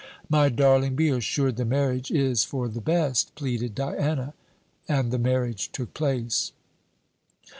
"My darling, be assured the marriage is for the best," pleaded Diana. And the marriage took place.